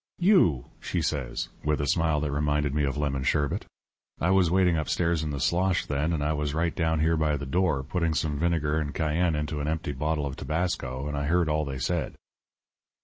"'You!' she says, with a smile that reminded me of lemon sherbet. I was waiting up stairs in the slosh, then, and I was right down here by the door, putting some vinegar and cayenne into an empty bottle of tabasco, and I heard all they said.